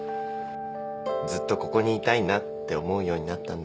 ずっとここにいたいなって思うようになったんだ。